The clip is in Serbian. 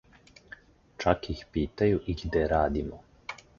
Чак их питају и где радимо.